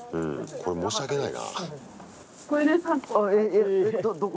これ申し訳ないな。